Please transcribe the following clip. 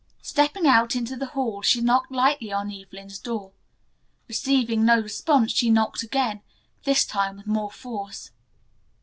Stepping out into the hall she knocked lightly on Evelyn's door. Receiving no response she knocked again, this time with more force.